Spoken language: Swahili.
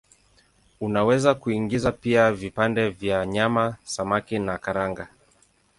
Unaweza kuingiza pia vipande vya nyama, samaki na karanga.